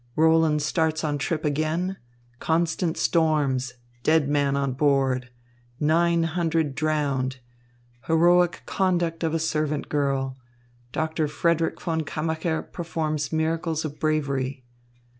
Roland starts on trip again. Constant storms. Dead man on board. Nine hundred drowned. Heroic conduct of a servant girl. Doctor Frederick von Kammacher performs miracles of bravery."